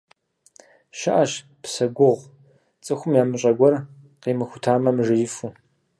Щыӏэщ псэ гугъу, цӏыхум ямыщӏэ гуэр къимыхутамэ, мыжеифу.